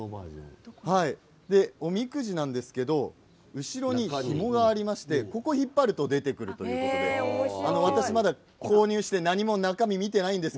手乗りサイズおみくじなんですけれども後ろにひもがありましてここを引っ張ると出てくるということで私、まだ購入して中身を見ていないんです。